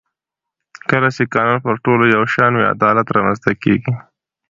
کله چې قانون پر ټولو یو شان وي عدالت رامنځته کېږي